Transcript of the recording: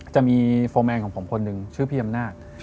จะมีโฟร์แมนของผมคนหนึ่งชื่อพี่อำนาจ